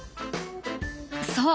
そう。